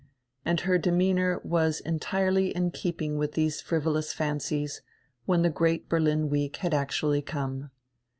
And her demeanor was entirely in keeping widi diese frivolous fancies, when die great Berlin week had actually come.